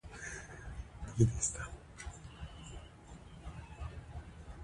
زليخاترور : خېرت خو دى.